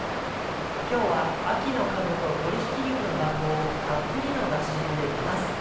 今日は秋のかぶと鶏ひき肉のだんごをたっぷりのだし汁で煮ます。